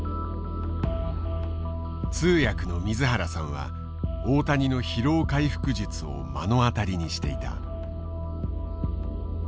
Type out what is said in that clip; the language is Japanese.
通訳の水原さんは大谷の疲労回復術を目の当たりにしていた。